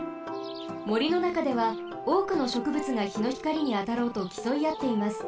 もりのなかではおおくのしょくぶつがひのひかりにあたろうときそいあっています。